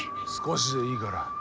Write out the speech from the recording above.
少しでいいから。